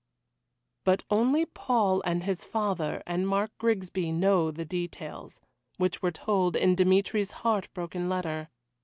But only Paul and his father, and Mark Grigsby, know the details, which were told in Dmitry's heart broken letter.